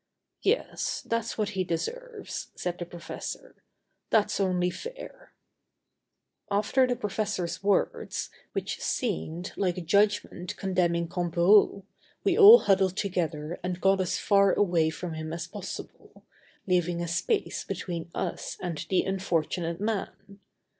"Yes, that's what he deserves," said the professor. "That's only fair." After the professor's words, which seemed like a judgment condemning Comperou, we all huddled together and got as far away from him as possible, leaving a space between us and the unfortunate man.